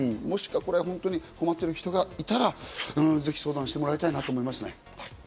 本当に困っている人がいたらぜひ相談してもらいたいなと思いますね。